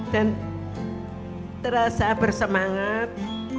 dan terasa bersemangat